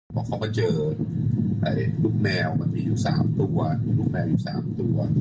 บอกเขาก็เจอลูกแมวมันมีอยู่๓ตัว